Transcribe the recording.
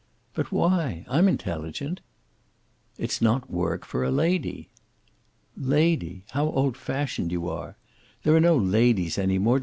"But why? I'm intelligent." "It's not work for a lady." "Lady! How old fashioned you are! There are no ladies any more.